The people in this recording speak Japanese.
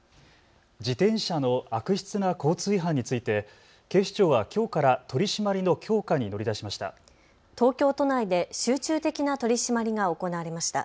自転車の悪質な交通違反について警視庁はきょうから取締りの強化に乗り出しました。